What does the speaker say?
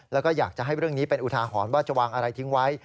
แล้วก็อยากจะให้เรื่องนี้เป็นอุทาหรณ์ว่าจะวางอะไรทิ้งไว้